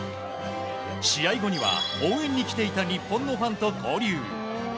試合後には、応援に来ていた日本のファンと交流。